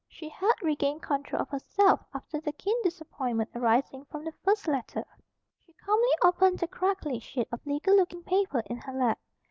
She had regained control of herself after the keen disappointment arising from the first letter. She calmly opened the crackly sheet of legal looking paper in her lap.